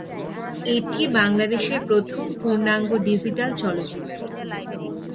এটি বাংলাদেশের প্রথম পূর্ণাঙ্গ ডিজিটাল চলচ্চিত্র।